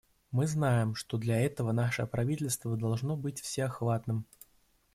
Мы знаем, что для этого наше правительство должно быть всеохватным.